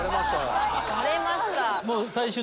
割れました。